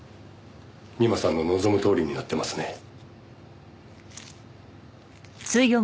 美馬さんの望むとおりになってますね。